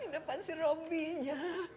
ini depan si robby nya